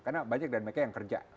karena banyak dari mereka yang kerja